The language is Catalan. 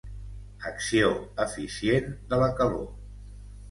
Acció eficient de la calor.